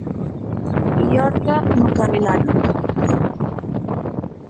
Liorta no Carrilana.